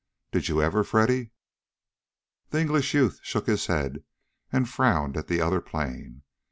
Did you ever, Freddy?" The English youth shook his head and frowned at the other plane.